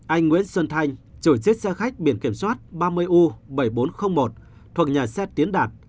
anh nguyễn xuân thanh trời chiếc xe khách biển kiểm soát ba mươi u bảy nghìn bốn trăm linh một thuộc nhà xe tiến đạt